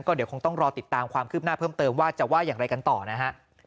เดี๋ยวคงต้องรอติดตามความคืบหน้าเพิ่มเติมว่าจะว่าอย่างไรกันต่อนะฮะ